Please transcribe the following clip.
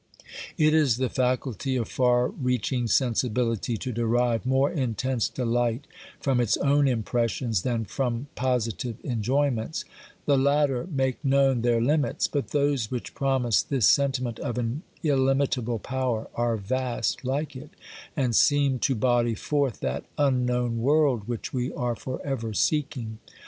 It is the faculty of far reaching sensibility to derive more intense delight from its own impressions than from positive enjoyments ; the latter make known their limits, but those which promise this sentiment of an illimitable power are vast like it, and seem to body forth that unknown world which we are for ever seeking.